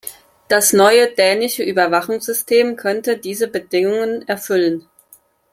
Das neue dänische Überwachungssystem könnte diese Bedingungen erfüllen.